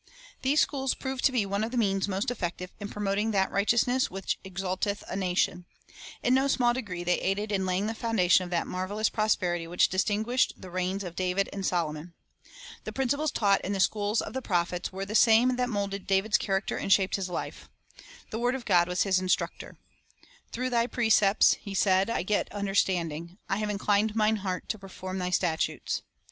These schools proved to be one of the means most effective in promoting that righteousness which "ex alteth a nation." 1 In no small degree they aided in laying the foundation of that marvelous prosperity 1 Prov. 14 : 34. Industrial Training Course of Study Results 4 8 Illustrations David and Solomon Greatness of Israel which distinguished the reigns of David and Solomon. The principles taught in the schools of the prophets were the same that moulded David's character and shaped his life. The word of God was his instructor. "Through Thy precepts," he said, "I get understanding. I have inclined mine heart to perform Thy statutes."